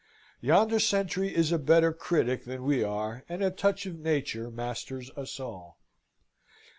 "Yonder sentry is a better critic than we are, and a touch of nature masters us all."